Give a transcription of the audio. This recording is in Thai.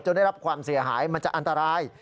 ได้รับความเสียหายมันจะอันตราย